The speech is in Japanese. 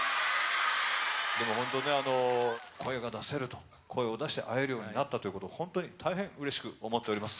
でも本当、声が出せると声を出して会えるようになったということを本当に大変うれしく思っております。